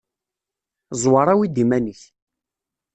Ẓwer awi-d iman-ik.